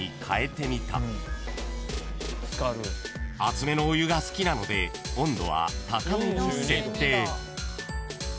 ［熱めのお湯が好きなので温度は高めに設定］